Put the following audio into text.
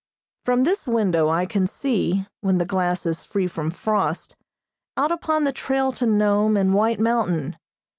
From this window I can see (when the glass is free from frost) out upon the trail to Nome and White Mountain.